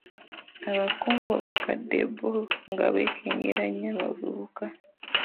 Abakungu abakadde bo nga beekengera nnyo abavubuka.